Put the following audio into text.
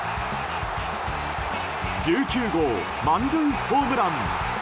１９号満塁ホームラン。